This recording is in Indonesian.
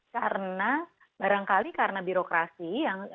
karena barangkali karena birokrasi yang